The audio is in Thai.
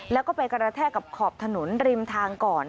แล้วก็ไปกระแทกกับขอบถนนริมทางก่อน